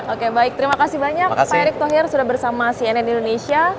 oke baik terima kasih banyak pak erick thohir sudah bersama cnn indonesia